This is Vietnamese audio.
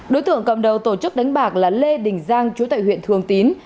đối tượng cầm đầu tổ chức đánh bạc là lê đình giang chú tại huyện thường tín